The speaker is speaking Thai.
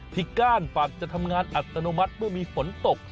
ก้านฝักจะทำงานอัตโนมัติเมื่อมีฝนตก